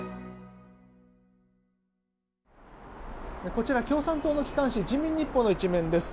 こちら共産党の機関紙人民日報の１面です。